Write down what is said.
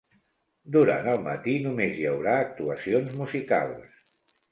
Durant el matí només hi haurà actuacions musicals.